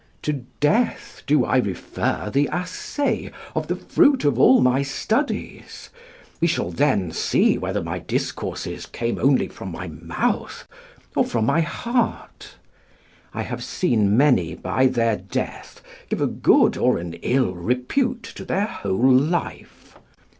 To death do I refer the assay of the fruit of all my studies: we shall then see whether my discourses came only from my mouth or from my heart. I have seen many by their death give a good or an ill repute to their whole life.